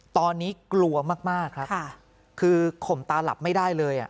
ตอนนี้กลัวมากครับคือข่มตาหลับไม่ได้เลย